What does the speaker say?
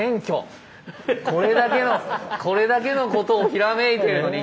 これだけのことをひらめいているのに謙虚。